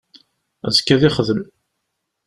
Azekka ad yexdem